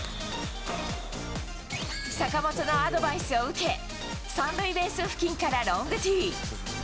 坂本のアドバイスを受け、３塁ベース付近からロングティー。